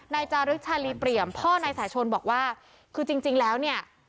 นายจารึกชาลีเปรียมพ่อนายสาชนบอกว่าคือจริงแล้วเนี่ย